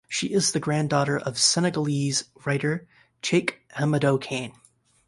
She is the granddaughter of Senegalese writer Cheikh Hamidou Kane.